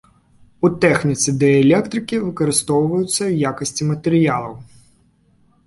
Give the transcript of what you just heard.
У тэхніцы дыэлектрыкі выкарыстоўваюцца ў якасці матэрыялаў.